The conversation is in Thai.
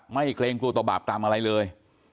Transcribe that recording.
ไม่เกรงกลัวต่อบาปตามอะไรเลย